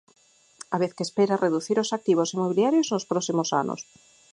Á vez que espera reducir os activos inmobiliarios nos próximos anos.